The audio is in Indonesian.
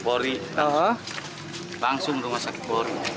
polri langsung rumah sakit polri